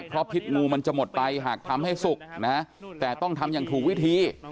เพราะพิษงูมันจะหมดไปหากทำให้สุกนะแต่ต้องทำอย่างถูกวิธี